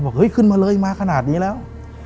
เฮ้ยขึ้นมาเลยมาขนาดนี้แล้ว